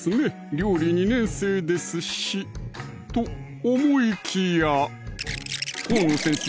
料理２年生ですしと思いきや河野先生